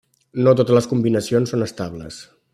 No totes les combinacions són estables.